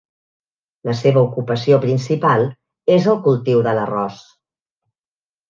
La seva ocupació principal és el cultiu de l'arròs.